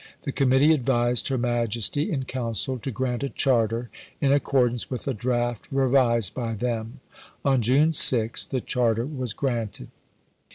The Committee advised Her Majesty in Council to grant a Charter in accordance with a Draft revised by them. On June 6 the Charter was granted.